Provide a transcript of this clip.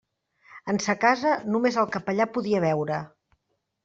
En sa casa només el capellà podia beure.